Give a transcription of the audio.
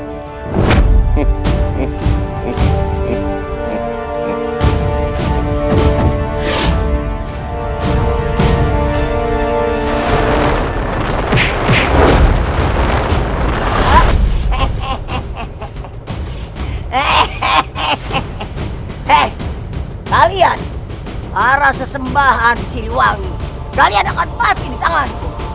hei kalian para sesembahan silihuang ini kalian akan mati di tanganku